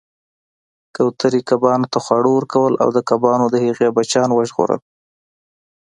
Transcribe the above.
کوترې کبانو ته خواړه ورکول او کبانو د هغې بچیان وژغورل